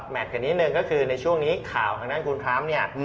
แมทกันนิดนึงก็คือในช่วงนี้ข่าวทางนั้นคุณคล้ำเนี่ย